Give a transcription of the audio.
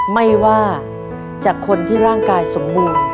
ไม่ว่าจากคนที่ร่างกายสมบูรณ์